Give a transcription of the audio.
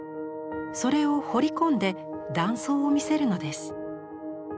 それを彫り込んで断層を見せるのです。